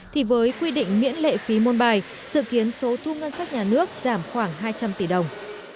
thì với quy định miễn lệ phí môn bài dự kiến số thu ngân sách nhà nước giảm khoảng hai trăm linh tỷ đồng